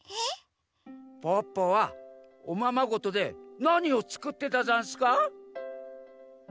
ポッポはおままごとでなにをつくってたざんすか？